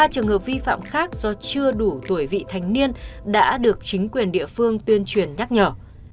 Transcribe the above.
ba trường hợp vi phạm khác do chưa đủ tuổi vị thành niên đã được chính quyền địa phương tuyên truyền nhắc nhở